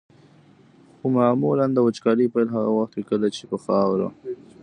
خو معمولا د وچکالۍ پیل هغه وخت وي کله چې په خاوره.